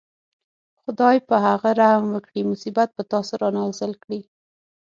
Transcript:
خدای په هغه رحم وکړي مصیبت په تاسې رانازل کړي.